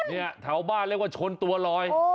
เนี่ยเถาบ้าเครื่องชนตัวลอย